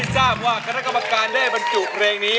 ไม่ทราบว่าข้ารักษ์กรรมการได้บรรจุเพลงนี้